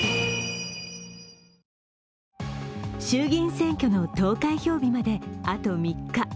衆議院選挙の投開票日まで、あと３日。